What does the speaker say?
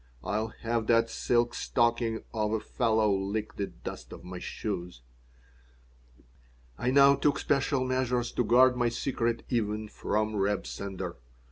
"I'll have that silk stocking of a fellow lick the dust of my shoes." I now took special measures to guard my secret even from Reb Sender.